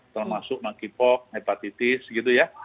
termasuk monkeypox hepatitis gitu ya